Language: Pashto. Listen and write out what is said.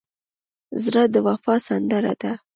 زړه د وفا سندره ده.